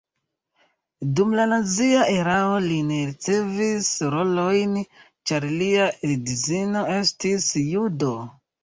Dum la nazia erao li ne ricevis rolojn, ĉar lia edzino estis judo.